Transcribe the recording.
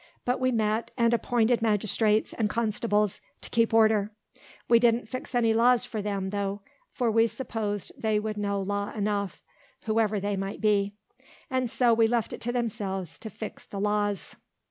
But we met, and appointed magistrates and constables to keep order. We didn't fix any laws for them, tho'; for we supposed they would know law enough, whoever they might be; and so we left it to themselves to fix the laws.